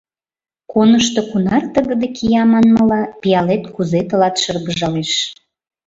Конышто кунар тыгыде кия, манмыла, пиалет кузе тылат шыргыжалеш.